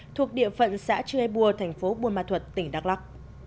thuộc địa phận xã chư e bua thành phố buôn ma thuật tỉnh đắk lắc